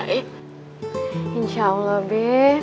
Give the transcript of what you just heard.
insya allah be